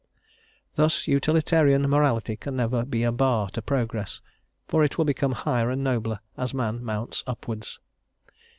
Thus Utilitarian morality can never be a bar to progress, for it will become higher and nobler as man mounts upwards.